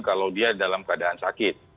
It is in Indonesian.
kalau dia dalam keadaan sakit